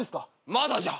まだじゃ。